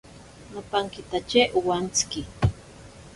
Nopankitatye owantsiki.